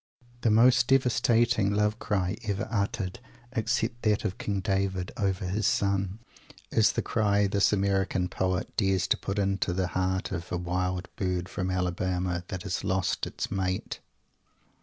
The most devastating love cry ever uttered, except that of King David over his friend, is the cry this American poet dares to put into the heart of "a wild bird from Alabama" that has lost its mate.